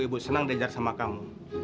ibu senang diajar sama kamu